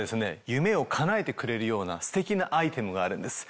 夢をかなえてくれるようなステキなアイテムがあるんです。